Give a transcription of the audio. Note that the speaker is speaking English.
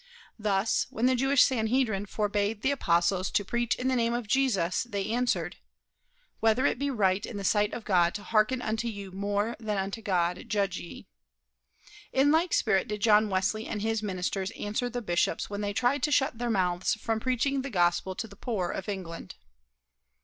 Thus, when the Jewish Sanhedrin forbade the Apostles to preach in the name of Jesus, they answered, "Whether it be right in the sight of God to hearken unto you more than unto God, judge ye." In like spirit did John Wesley and his ministers answer the bishops when they tried to shut their mouths from preaching the gospel to the poor of England.